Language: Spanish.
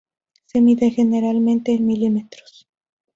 Se mide generalmente en milímetros.